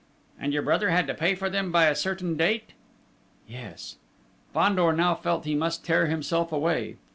"And your brother had to pay for them by a certain date?" "Yes." Fandor now felt he must tear himself away.